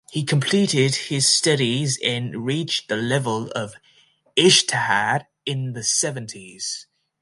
He completed his studies and reached the level of ijtihad in the seventies.